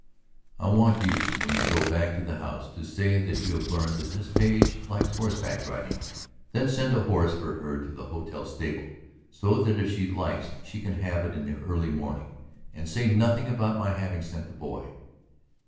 "I want you, when you go back to the house, to say that you have learned that Miss Page likes horseback riding; then send a horse for her to the hotel stable, so that if she likes she can have it in the early morning. And say nothing about my having sent the boy."